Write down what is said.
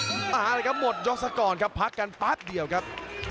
มาเลยครับหมดยกซะก่อนครับพักกันแป๊บเดียวครับ